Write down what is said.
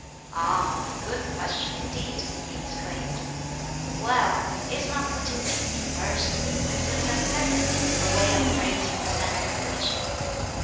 "Ah! a good question indeed!" he exclaimed. "Well, is not putting duty first, and success second, a way of raising the standard of virtue?